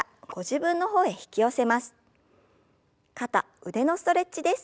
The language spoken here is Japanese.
肩腕のストレッチです。